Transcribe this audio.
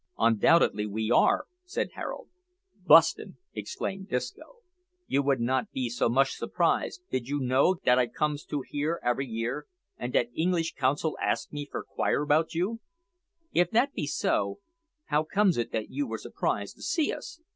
"Undoubtedly we are," said Harold. "Bu'stin'!" exclaimed Disco. "You would be not so mush surprised, did you know dat I comes to here every year, an' dat Engleesh consul ask me for 'quire about you." "If that be so, how comes it that you were surprised to see us?"